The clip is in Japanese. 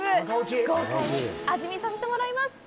豪快に味見させてもらいます！